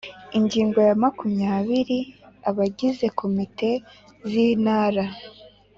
Ingingo ya makumyabiri Abagize Komite z Intara